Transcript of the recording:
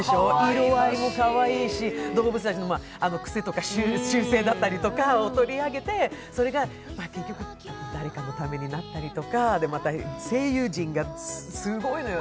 色合いもかわいいし、動物たちの癖とか習性だったりとかを取り上げてそれが、結局誰かのためになったりとか、また声優陣がすごいのよ。